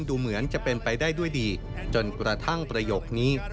ดูเหมือนจะเป็นไปได้ด้วยดีจนกระทั่งประโยคนี้